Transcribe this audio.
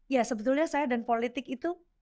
ya sebetulnya saya dan politik itu